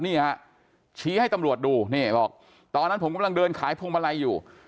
นี่ฮะชี้ให้ตำรวจดูนี่บอกตอนนั้นผมกำลังเดินขายพวงมาลัยอยู่